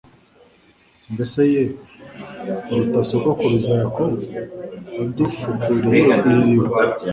Mbese ye uruta sogokuruza Yakobo, wadufukuriye iri riba,